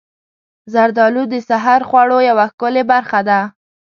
زردالو د سحر خوړو یوه ښکلې برخه ده.